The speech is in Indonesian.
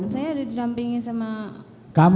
saya ada didampingi sama